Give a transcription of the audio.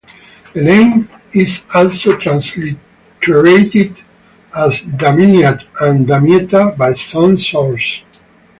The name is also transliterated as Damyat and Damietta by some sources.